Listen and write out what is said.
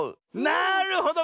なるほど。